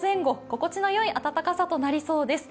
心地のいい暖かさとなりそうです。